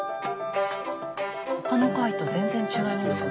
他の階と全然違いますよねえ。